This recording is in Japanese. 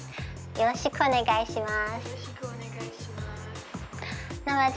よろしくお願いします。